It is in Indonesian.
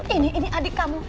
ini ini adik kamu